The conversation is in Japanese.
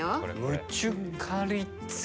ムチュカリッツァ？